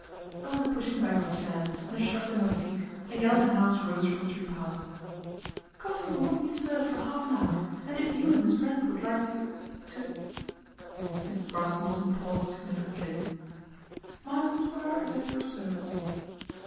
There was a pushing back of chairs and a shuffling of feet and Galvin House rose from its repast. " Coffee will not be served for half an hour, and if you and Miss Brent would like to to " Mrs. Craske Morton paused significantly. " My boudoir is at your service."